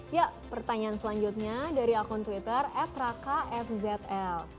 ya pertanyaan selanjutnya dari akun twitter atrakafzl